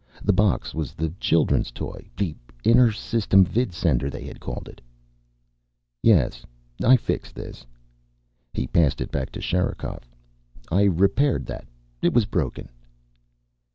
The box was the children's toy. The inter system vidsender, they had called it. "Yes. I fixed this." He passed it back to Sherikov. "I repaired that. It was broken."